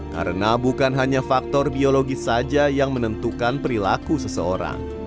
karena bukan hanya faktor biologis saja yang menentukan perilaku seseorang